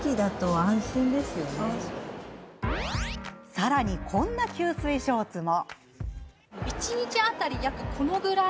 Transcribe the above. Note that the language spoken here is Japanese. さらに、こんな吸水ショーツも。